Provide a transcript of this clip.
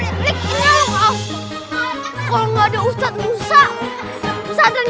ini waktunya makan siang